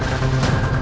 jangan ber sewaku